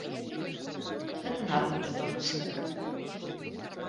Гэта на руку беларусам.